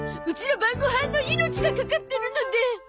うちの晩ごはんの命がかかってるので。